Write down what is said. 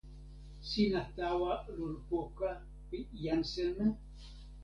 sina tawa lon poka pi jan seme?